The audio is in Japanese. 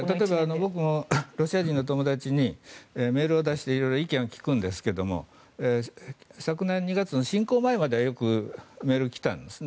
僕もロシア人の友人にメールを出して色々意見を聞くんですが昨年２月の侵攻前まではメールがよく来たんですね。